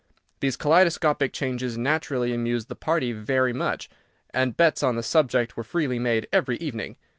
These kaleidoscopic changes naturally amused the party very much, and bets on the subject were freely made every evening.